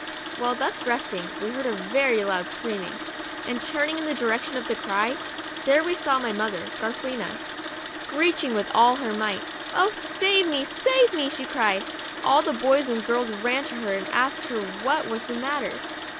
While thus resting, we heard a very loud screaming ; and turning in the direction of the cry, there we saw my mother, Garafelina, screeching with all her might, " Oh save me, save me !" she cried. All the boys and girls ran to her, and asked her what was the matter.